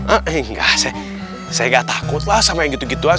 eh saya gak takut lah sama yang gitu gituan